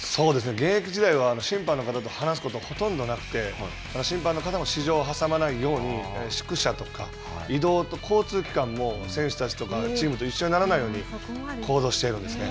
現役時代は、審判の方と話すことはほとんどなくて、審判の方も私情を挟まないように、宿舎とか移動、交通機関も選手たちとか、チームと一緒にならないように行動しているんですね。